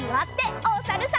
おさるさん。